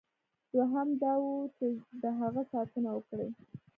دوهم دا وه چې د هغه ساتنه وکړي.